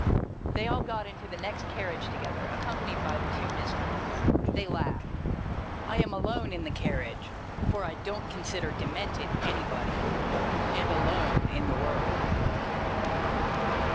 They all got into the next carriage together, accompanied by the two Mysteries. They laughed. I am alone in the carriage (for I don't consider Demented anybody) and alone in the world.